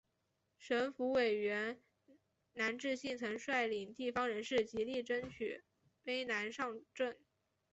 省府委员南志信曾率领地方人士极力争取卑南上圳。